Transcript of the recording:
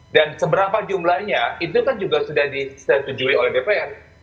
seberapa jumlahnya itu kan juga sudah disetujui oleh dpr